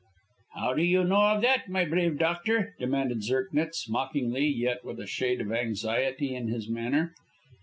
"How do you know that, my brave doctor?" demanded Zirknitz, mockingly, yet with a shade of anxiety in his manner.